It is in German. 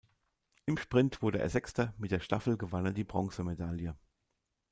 Im Sprint wurde er Sechster, mit der Staffel gewann er die Bronzemedaille.